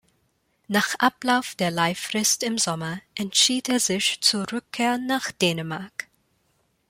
Nach Ablauf der Leihfrist im Sommer entschied er sich zur Rückkehr nach Dänemark.